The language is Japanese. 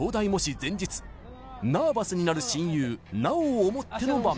前日ナーバスになる親友菜緒を思っての場面